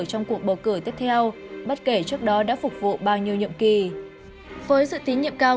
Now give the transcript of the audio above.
trong cuộc bầu cử tiếp theo bất kể trước đó đã phục vụ bao nhiêu nhiệm kỳ với sự tín nhiệm cao